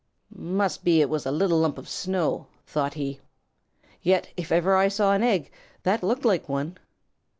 "Must be it was a little lump of snow," thought he. "Yet if ever I saw an egg, that looked like one.